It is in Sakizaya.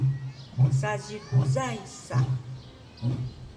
sazikuzay sa